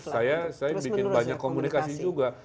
saya bikin banyak komunikasi juga